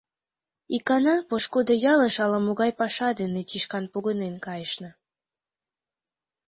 Икана пошкудо ялыш ала-могай паша дене тӱшкан погынен кайышна.